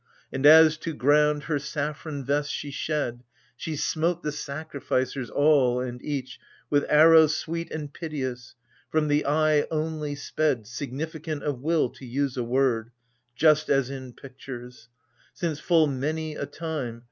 AGAMEMNON. 21 And as to ground her saffron vest she shed, She smote the sacrificers all and each With arrow sweet and piteous, From the eye only sped, — Significant of will to use a word, Just as in pictures : since, full many a time.